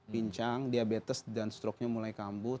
pincang diabetes dan stroknya mulai kambuh